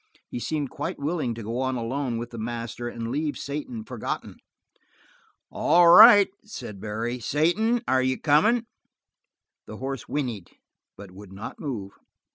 He seemed quite willing to go on alone with the master and leave Satan forgotten. "All right," said Barry. "Satan, are you comin'?" The horse whinnied, but would not move.